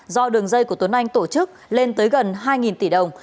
do đường dây của tuấn anh tổ chức lên tới gần hai tỷ đồng